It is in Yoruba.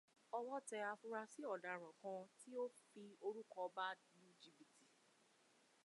Ọwọ́ tẹ afurasí ọ̀daràn kan tí ó fi orúkọ ọba lu jìbìtì